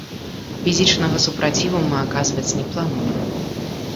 Фізічнага супраціву мы аказваць не плануем.